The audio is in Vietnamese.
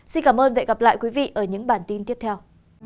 xin cảm ơn và hẹn gặp lại quý vị ở những bản tin tiếp theo